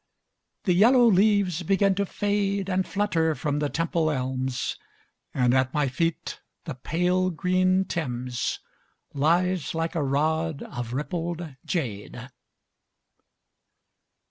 The yellow leaves begin to fade And flutter from the Temple elms, And at my feet the pale green Thames Lies like a rod of rippled jade.